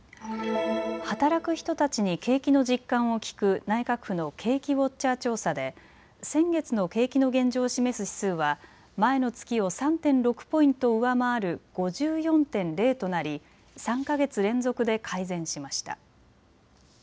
働く人たちに景気の実感を聞く内閣府の景気ウォッチャー調査で先月の景気の現状を示す指数は前の月を３．６ポイント上回る５４．０となり３か月連続で改善しました。